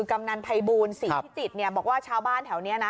กำนันภัยบูลศรีพิจิตรบอกว่าชาวบ้านแถวนี้นะ